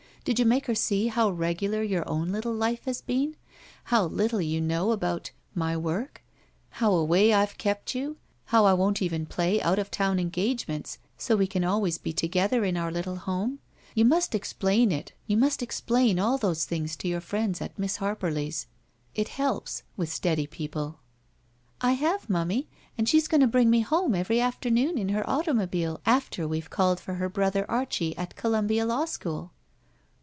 Did you make her see how regular your own little life has been? How little you know about — ^my work? How away I've kept you? How I won't even play out of town engagements so we can always be together in our little home? You must explain all those things to your friends at Miss Harperly's. It helps — ^with steady people." "I have, momie, and she's going to bring me home every afternoon in their automobile after we've called for her brother Archie at Columbia Law School."